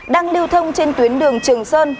đang lưu thông trên tuyến đường trường sơn